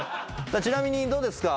ちなみにどうですか？